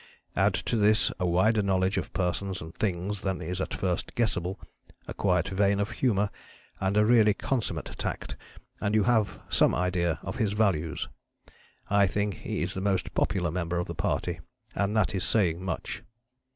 Add to this a wider knowledge of persons and things than is at first guessable, a quiet vein of humour and really consummate tact, and you have some idea of his values. I think he is the most popular member of the party, and that is saying much."